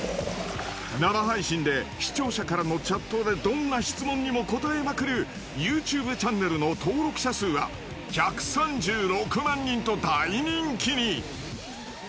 生配信で視聴者からのチャットでどんな質問にも答えまくるＹｏｕＴｕｂｅチャンネルの登録者数は１３６万人と大人気に！